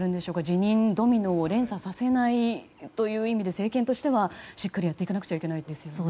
辞任ドミノを連鎖させないという意味で政権としてはしっかりやっていかないといけないですよね。